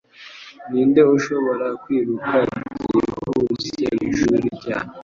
Ninde ushobora kwiruka byihuse mwishuri ryanyu?